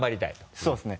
そうですね。